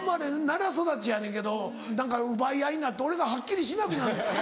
奈良育ちやねんけど何か奪い合いになって俺がはっきりしなくなんねん。